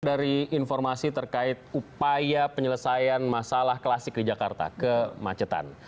dari informasi terkait upaya penyelesaian masalah klasik di jakarta kemacetan